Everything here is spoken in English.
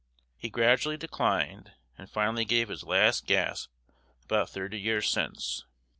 He gradually declined, and finally gave his last gasp about thirty years since.